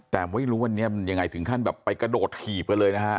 แต่ไม่รู้วันนี้มันยังไงถึงขั้นแบบไปกระโดดถีบกันเลยนะฮะ